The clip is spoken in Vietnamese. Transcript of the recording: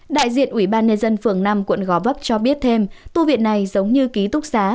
đại diện ubnd phường năm quận gò vấp cho biết thêm tu viện này giống như ký túc xá